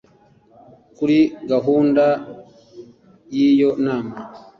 Kuri gahunda y’iyo nama